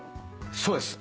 そうです。